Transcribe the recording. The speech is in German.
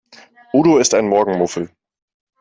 Udo ist ein Morgenmuffel.